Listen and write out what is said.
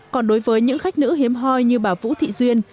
còn đối với những khách nữ hiếm hoi như bà vũ thị duyên